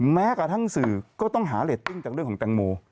แม้กระทั่งสื่อก็ต้องหาเรตติ้งจากเรื่องของแตงโม